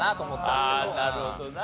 ああなるほどな。